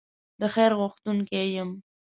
د خیر غوښتونکی یم.